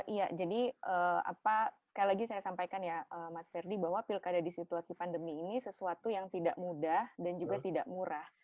iya jadi sekali lagi saya sampaikan ya mas ferdi bahwa pilkada di situasi pandemi ini sesuatu yang tidak mudah dan juga tidak murah